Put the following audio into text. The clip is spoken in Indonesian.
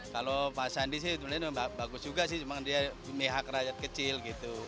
kalau pak sandi sih itu memang bagus juga sih cuma dia mehak rakyat kecil gitu